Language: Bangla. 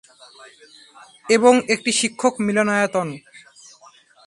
এবং একটি শিক্ষক মিলনায়তন।